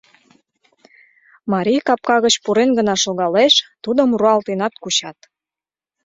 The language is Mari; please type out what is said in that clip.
Марий капка гыч пурен гына шогалеш — тудым руалтенат кучат.